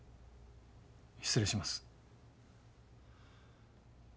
失礼します。